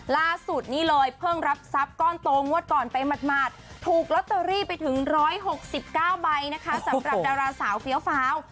ล่าสุดนี่เลยเพิ่งรับทรัพย์ก้อนโตงวดก่อนไปหมาดถูกลอตเตอรี่ไปถึง๑๖๙ใบนะคะสำหรับดาราสาวเฟี้ยวฟ้าว